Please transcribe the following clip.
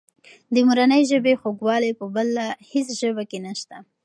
د مورنۍ ژبې خوږوالی په بله هېڅ ژبه کې نشته.